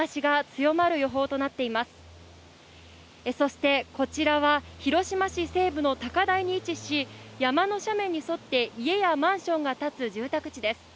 そして、こちらは広島市西部の高台に位置し、山の斜面に沿って、家やマンションが建つ住宅地です。